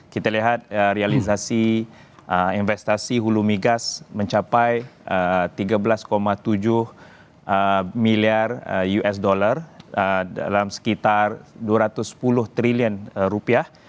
kita lihat realisasi investasi hulu migas mencapai tiga belas tujuh miliar usd dalam sekitar dua ratus sepuluh triliun rupiah